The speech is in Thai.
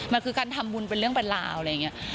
มันคือการทำบุญเป็นเรื่องเป็นราวอะไรอย่างนี้